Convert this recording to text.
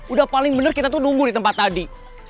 udah paling bener kita tuh nunggu di tempat tadi